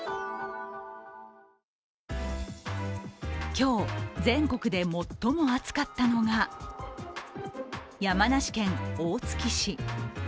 今日、全国で最も暑かったのが山梨県大月市。